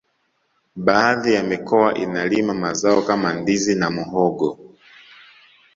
baadhi ya mikoa inalima mazao kama ndizi na muhogo